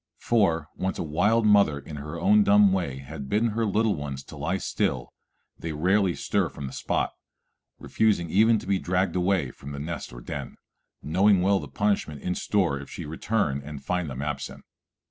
For, once a wild mother in her own dumb way has bidden her little ones lie still, they rarely stir from the spot, refusing even to be dragged away from the nest or den, knowing well the punishment in store if she return and find them absent.